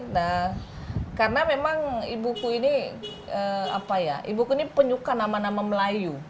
nah karena memang ibuku ini apa ya ibuku ini penyuka nama nama melayu